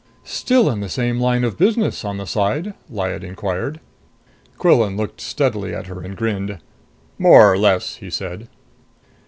"Still in the same line of business, on the side?" Lyad inquired. Quillan looked steadily at her and grinned. "More or less," he said.